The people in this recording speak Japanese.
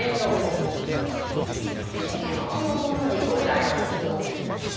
異形のものにございますそうで！